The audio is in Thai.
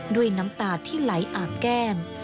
ด้วยน้ำตาที่ไหลอาบแก้ม